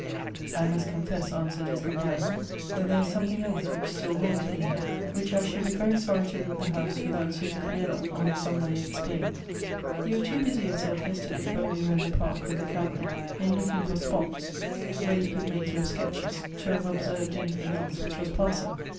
" I must confess," answered his companion, " that there is something else which still holds me here, which I should be very sorry to leave the house without seeing cleared up or in some way explained. You were too busy your self yesterday when we were in the park with the cam era, in looking for spots where you could make your 262 GOETHB'S sketches, to have observed anything else which was pass ing.